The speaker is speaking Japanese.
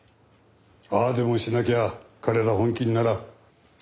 ああでもしなきゃ彼ら本気にならん。